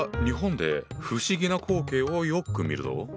日本で不思議な光景をよく見るぞ。